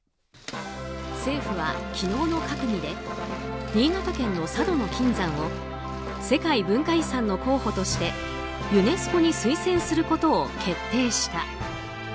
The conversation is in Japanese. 政府は昨日の閣議で新潟県の佐渡島の金山を世界文化遺産の候補としてユネスコに推薦することを決定した。